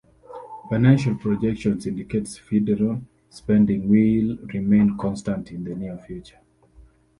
Financial projections indicate federal spending will remain constant in the near future.